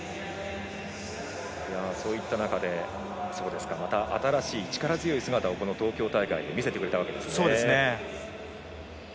そういった中でまた新しい、力強い姿をこの東京大会で見せてくれたわけですね。